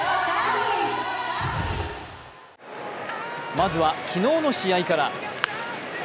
まずは昨日の試合から。